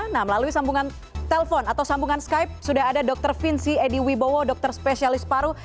nah melalui sambungan telepon atau sambungan skype sudah ada dr vinci edy wibowo dokter spesialis paru